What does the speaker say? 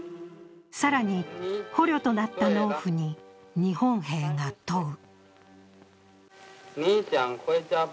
更に、捕虜となった農夫に日本兵が問う。